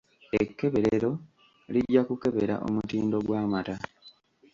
Ekkeberero lijja kukebera omutindo gw'amata.